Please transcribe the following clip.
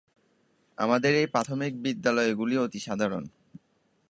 আমাদের এই প্রাথমিক বিদ্যালয়গুলি অতি সাধারণ।